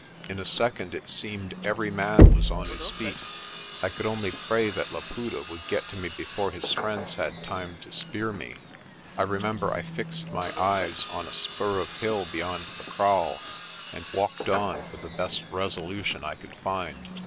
In a second it seemed every man was on his feet. I could only pray that Laputa would get to me before his friends had time to spear me. I re member I fixed my eyes on a spur of hill beyond the kraal, and walked on with the best resolution I could find.